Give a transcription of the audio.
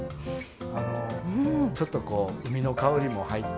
あのちょっとこう海の香りも入って。